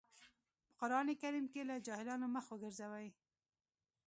په قرآن کريم کې له جاهلانو مخ وګرځوئ.